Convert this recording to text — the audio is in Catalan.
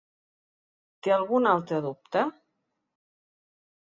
Té algun altre dubte?